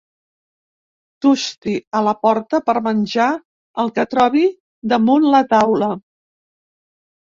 Tusti a la porta per menjar el que trobi damunt la taula.